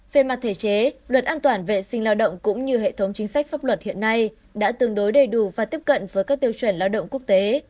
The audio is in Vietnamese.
về mặt thể chế luật an toàn vệ sinh lao động cũng như hệ thống chính sách pháp luật hiện nay đã tương đối đầy đủ và tiếp cận với các tiêu chuẩn lao động quốc tế